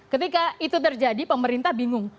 ketika itu terjadi pemerintah bingung